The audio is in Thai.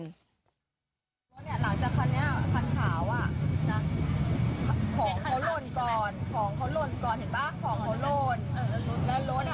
หลังจากคันนี้คันขาว